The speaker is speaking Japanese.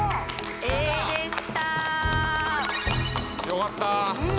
よかった。